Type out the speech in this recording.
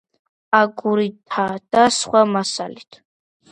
აგურითა და სხვა მასალით.